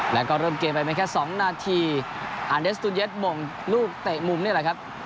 แล้วก็เริ่มเกมไปไม่แค่๒นาทีอันเดสตูเย็ดโมงลูกเตะมุมนี่แหละครับ